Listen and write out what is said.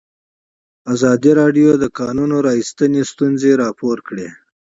ازادي راډیو د د کانونو استخراج ستونزې راپور کړي.